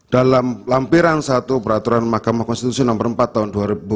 dalam lampiran satu peraturan mahkamah konstitusi no empat tahun dua ribu dua puluh tiga